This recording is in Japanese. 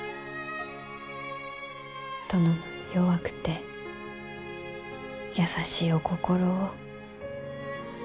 殿の弱くて優しいお心を。